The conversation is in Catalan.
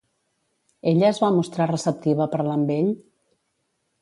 Ella es va mostrar receptiva a parlar amb ell?